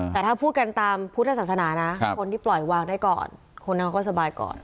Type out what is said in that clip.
แต่ถ้าพูดกันตามพุทธศาสนานะคนที่ปล่อยวางได้ก่อนคนนั้นเขาก็สบายก่อน